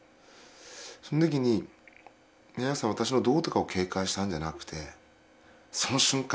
その時に宮崎さんは私の胴とかを警戒したんじゃなくてその瞬間